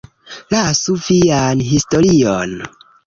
Lasu vian historion!